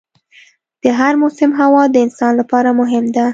د هر موسم هوا د انسان لپاره مهم ده.